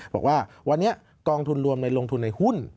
บอกว่าวันนี้กองทุนรวมในลงทุนในหุ้น